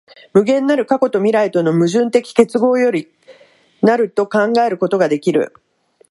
無限なる過去と未来との矛盾的結合より成ると考えることができる。